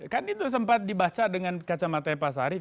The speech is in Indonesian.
kan itu sempat dibaca dengan kacamata pak sarif